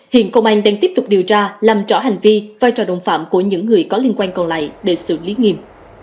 hiện công an đang tiếp tục điều tra làm rõ hành vi vai trò đồng phạm của những người có liên quan còn lại để xử lý nghiêm